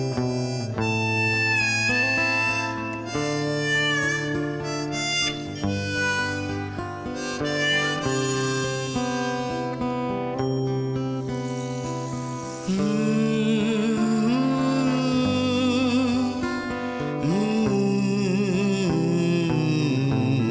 บนฟ้ามีเมฆลอยบนด้อยมีเมฆบัง